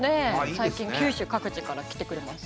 最近九州各地から来てくれます。